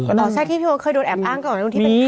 ค่ะที่ผมค่อยโดนแอบอ้างกับคนที่ถามใช่ไหม